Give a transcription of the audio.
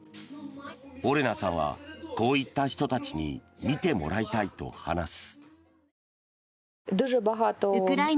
オレナさんはこういった人たちに見てもらいたいと話す。